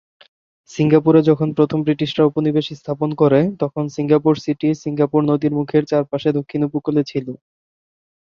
সিঙ্গাপুরে যখন প্রথম ব্রিটিশরা উপনিবেশ স্থাপন করে, তখন সিঙ্গাপুর সিটি সিঙ্গাপুর নদীর মুখের চারপাশে দক্ষিণ উপকূলে ছিল।